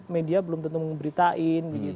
media belum tentu memberitain